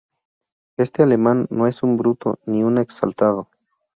Este alemán no es un bruto ni un exaltado.